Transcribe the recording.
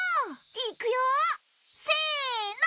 いくよせの！